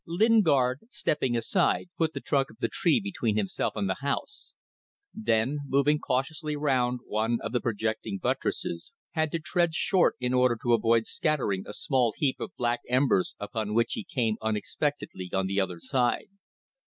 Lingard, stepping aside, put the trunk of the tree between himself and the house, then, moving cautiously round one of the projecting buttresses, had to tread short in order to avoid scattering a small heap of black embers upon which he came unexpectedly on the other side.